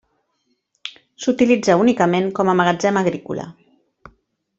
S'utilitza únicament com a magatzem agrícola.